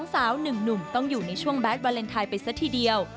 ๒สาว๑หนุ่มต้องอยู่ในช่วงแบทวาเลนไทน์ไปซักทีเดียว